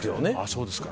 そうですかね。